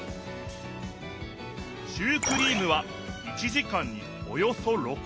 シュークリームは１時間におよそ６，３００こ。